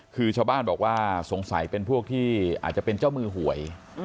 คือชาวบ้านบอกว่าสงสัยเป็นพวกที่อาจจะเป็นเจ้ามือหวย